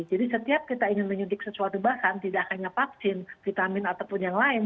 jadi setiap kita ingin menyuntik sesuatu bahan tidak hanya vaksin vitamin ataupun yang lain